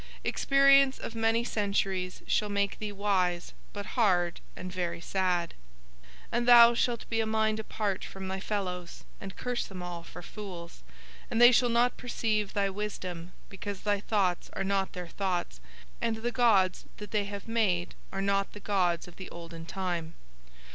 Experience of many centuries shall make thee wise but hard and very sad, and thou shalt be a mind apart from thy fellows and curse them all for fools, and they shall not perceive thy wisdom because thy thoughts are not their thoughts and the gods that they have made are not the gods of the olden time.